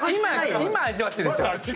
今味わってるでしょ？